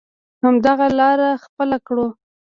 همدغه لاره خپله کړو.